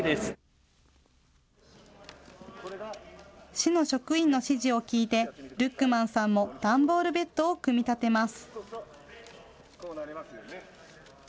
市の職員の指示を聞いてルックマンさんも段ボールベッドを組み立てます。